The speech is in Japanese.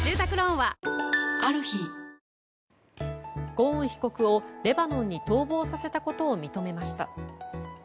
ゴーン被告をレバノンに逃亡させたことを認めました。